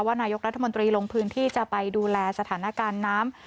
นายกรัฐมนตรีลงพื้นที่จะไปดูแลสถานการณ์น้ำ